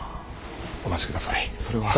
お待ちくださいそれは。